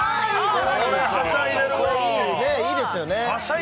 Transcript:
いいですよね。